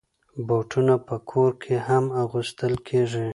بوټونه په کور کې هم اغوستل کېږي.